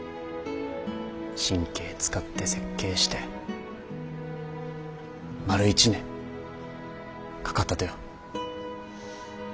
神経遣って設計して丸１年かかったとよ。